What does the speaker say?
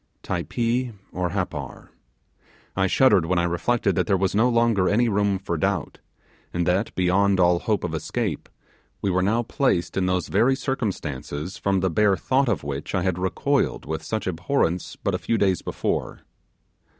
Typee or Happar? I shuddered when I reflected that there was no longer any room for doubt; and that, beyond all hope of escape, we were now placed in those very circumstances from the bare thought of which I had recoiled with such abhorrence but a few days before.